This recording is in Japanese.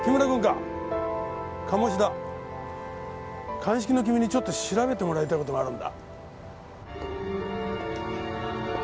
鑑識の君にちょっと調べてもらいたい事があるんだ。